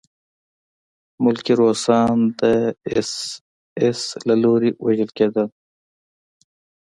ملکي روسان د اېس ایس له لوري وژل کېدل